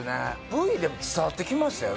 Ｖでも伝わってきましたよ